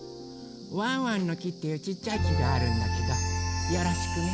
ワンワンの木っていうちっちゃい木があるんだけどよろしくね。